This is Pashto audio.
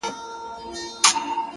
غربت مي شپې يوازي کړيدي تنها يمه زه!!